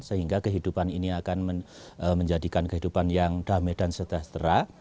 sehingga kehidupan ini akan menjadikan kehidupan yang damai dan sejahtera